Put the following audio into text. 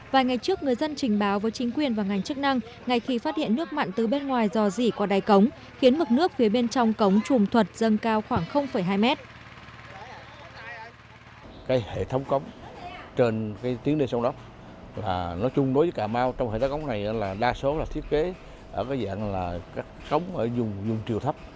vài ngày trước người dân trình báo với chính quyền và ngành chức năng ngày khi phát hiện nước mặn từ bên ngoài dò dỉ qua đáy cống khiến mực nước phía bên trong cống trùm thuật dâng cao khoảng hai mét